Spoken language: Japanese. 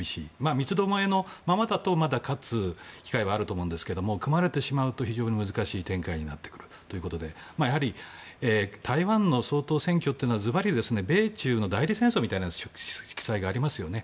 三つどもえのままだとまだ勝つ機会はあると思いますが組まれてしまうと非常に難しい展開になってくるということでやはり、台湾の総統選挙はずばり米中の代理戦争みたいな色彩がありますよね。